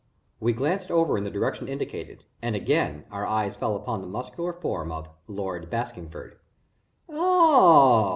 We glanced over in the direction indicated, and again our eyes fell upon the muscular form of "Lord Baskingford." "Oh!"